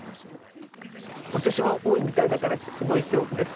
ことしは多いみたいだから、すごい恐怖です。